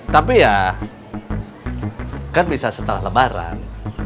tapi ya kan bisa setelah lebaran